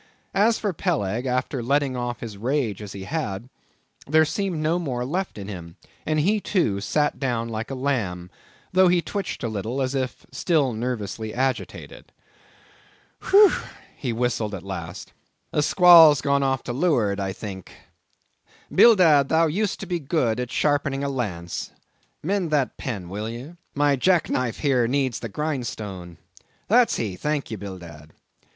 As for Peleg, after letting off his rage as he had, there seemed no more left in him, and he, too, sat down like a lamb, though he twitched a little as if still nervously agitated. "Whew!" he whistled at last—"the squall's gone off to leeward, I think. Bildad, thou used to be good at sharpening a lance, mend that pen, will ye. My jack knife here needs the grindstone. That's he; thank ye, Bildad.